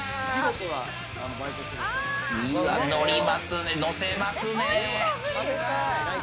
のりますね、のせますね。